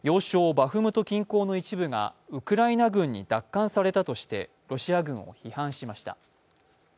バフムト近郊の一部がウクライナ軍に奪還されたとしてロシア軍を批判しました。